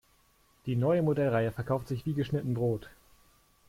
Die neue Modellreihe verkauft sich wie geschnitten Brot.